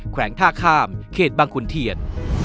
แวงท่าข้ามเขตบังขุนเทียน